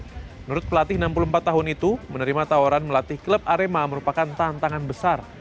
menurut pelatih enam puluh empat tahun itu menerima tawaran melatih klub arema merupakan tantangan besar